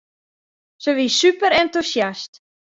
Sy wie superentûsjast.